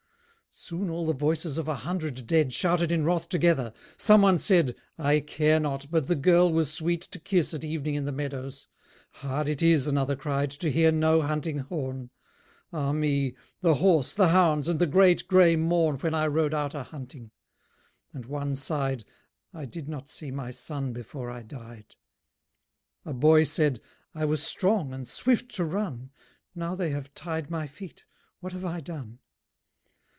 Soon all the voices of a hundred dead Shouted in wrath together. Someone said, "I care not, but the girl was sweet to kiss At evening in the meadows." "Hard it is" Another cried, "to hear no hunting horn. Ah me! the horse, the hounds, and the great grey morn When I rode out a hunting." And one sighed, "I did not see my son before I died." A boy said, "I was strong and swift to run: Now they have tied my feet: what have I done?"